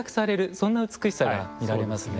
そんな美しさが見られますね。